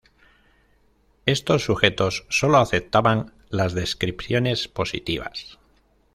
Estos sujetos solo aceptaban las descripciones positivas.